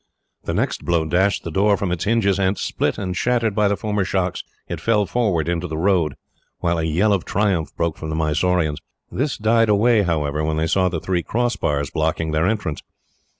The next blow dashed the door from its hinges, and, split and shattered by the former shocks, it fell forward into the road, while a yell of triumph broke from the Mysoreans. This died away, however, when they saw the three crossbars blocking their entrance.